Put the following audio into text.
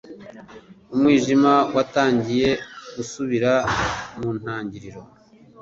Umwijima watangiye gusubira mu ntangiriro